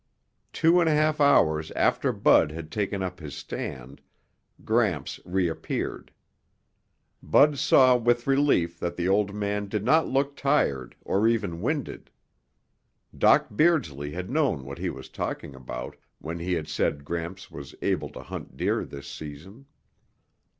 Two and a half hours after Bud had taken up his stand, Gramps reappeared. Bud saw with relief that the old man did not look tired or even winded. Doc Beardsley had known what he was talking about when he had said Gramps was able to hunt deer this season.